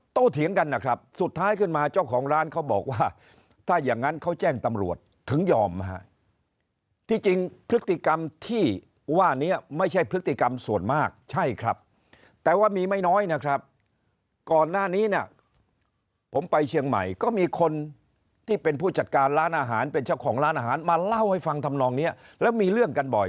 เถียงกันนะครับสุดท้ายขึ้นมาเจ้าของร้านเขาบอกว่าถ้าอย่างนั้นเขาแจ้งตำรวจถึงยอมให้ที่จริงพฤติกรรมที่ว่านี้ไม่ใช่พฤติกรรมส่วนมากใช่ครับแต่ว่ามีไม่น้อยนะครับก่อนหน้านี้เนี่ยผมไปเชียงใหม่ก็มีคนที่เป็นผู้จัดการร้านอาหารเป็นเจ้าของร้านอาหารมาเล่าให้ฟังทำนองเนี้ยแล้วมีเรื่องกันบ่อย